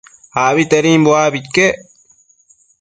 Abitedimbo abi iquec